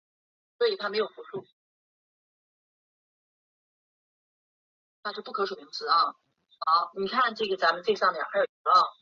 这一系列行为和用词让伯纳黛特开始正式怀疑他的性取向。